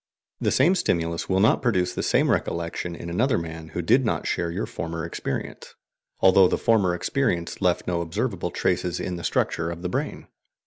The same stimulus will not produce the same recollection in another man who did not share your former experience, although the former experience left no OBSERVABLE traces in the structure of the brain.